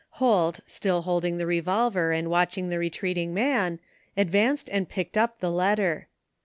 Holt, still holding the revolver and watching the retreating man, advanced and picked up the letter.